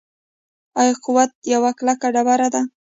آیا یاقوت یوه کلکه ډبره ده؟